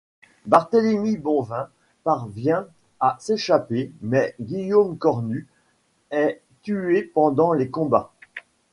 Barthélemy Bonvin parvient à s'échapper mais Guillaume Cornut est tué pendant les combats.